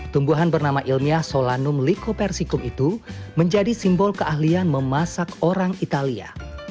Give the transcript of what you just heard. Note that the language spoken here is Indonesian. tumbuhan bernama ilmiah solanum lykopersicum itu menjadi simbol keahlian memasak orang italia